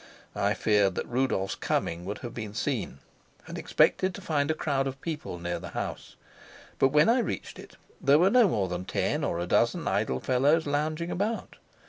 I feared that Rudolf's coming would have been seen, and expected to find a crowd of people near the house. But when I reached it there were no more than ten or a dozen idle fellows lounging about.